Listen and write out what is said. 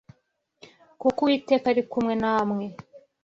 kuko Uwiteka ari kumwe namwe